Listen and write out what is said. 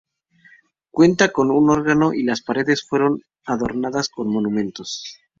Cuenta con un órgano y las paredes fueron adornadas con monumentos.